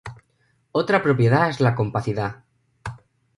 Otra propiedad es la compacidad.